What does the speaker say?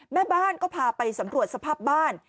แม่บ้านก็พาไปสำรวจสภาพบ้าน